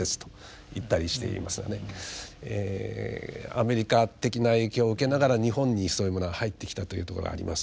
アメリカ的な影響を受けながら日本にそういうものが入ってきたというところがあります。